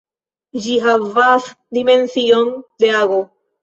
Ĝi havas dimension de ago.